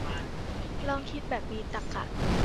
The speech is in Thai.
อยากคิดแบบมีตรรกะ